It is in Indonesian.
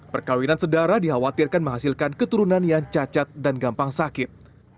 perkawinan sedara dikhawatirkan menghasilkan keturunan yang cacat dan gampang sakit